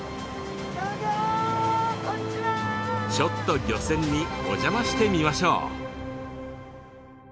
ちょっと漁船にお邪魔してみましょう。